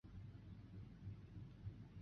追赠东阁大学士。